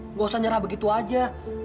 nggak usah nyerah begitu aja